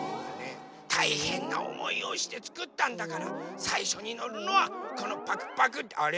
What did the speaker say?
たいへんなおもいをしてつくったんだからさいしょにのるのはこのパクパクあれ？